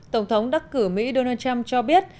tổng thống đắc cử mỹ donald trump cho biết